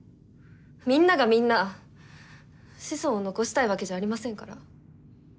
みんながみんな子孫を残したいわけじゃありませんから。